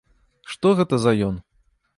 Што гэта за ён?